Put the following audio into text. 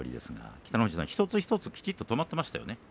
北の富士さん一つ一つはきちんと止まってましたよね。